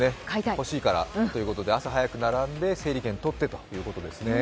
欲しいから、朝早く並んで整理券取ってということですね。